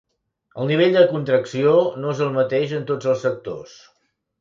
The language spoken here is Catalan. El nivell de contracció no és el mateix en tots els sectors.